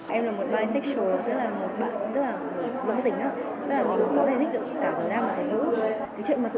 em là một bà bạc tức là một bạn rất là dẫn tính rất là có thể thích được cả giới nam và giới nữ